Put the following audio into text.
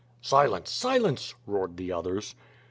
Silence! Silence," roared the others.